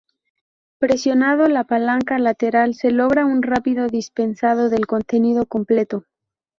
Presionando la palanca lateral se logra un rápido dispensado del contenido completo.